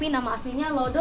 namanya lodo dan